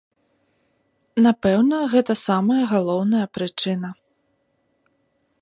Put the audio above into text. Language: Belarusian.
Напэўна, гэта самая галоўная прычына.